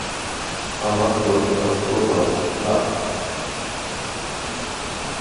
আমার দূর্ভাগ্য না।